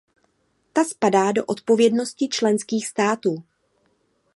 Ta spadá do odpovědnosti členských států.